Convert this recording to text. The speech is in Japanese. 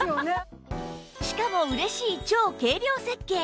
しかも嬉しい超軽量設計